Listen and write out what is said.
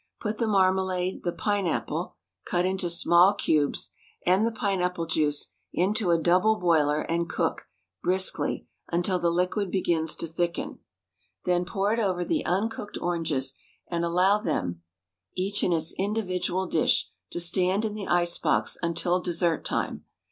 Put the marmalade, the pineapple — cut into small cubes — and the pineapple juice into a double boiler and cook, briskly, until the liquid begins to thicken. Then WRITTEN FOR MEN BY MEN pour it over the uncooked oranges and allow them — each in its individual dish — to stand in the ice box until dessert time.